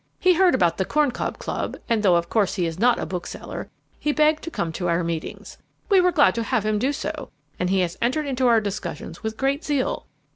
He heard about the Corn Cob Club, and though of course he is not a bookseller he begged to come to our meetings. We were glad to have him do so, and he has entered into our discussions with great zeal.